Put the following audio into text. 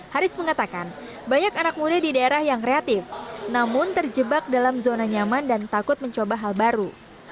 haris mengatakan banyak anak muda di daerah yang kreatif namun terjebak dalam zona nyaman dan takut mencoba hal baru